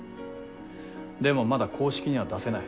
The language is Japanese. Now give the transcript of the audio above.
でもまだ公式には出せない。